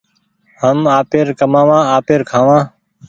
هم آپير ڪمآوآ آپير کآوان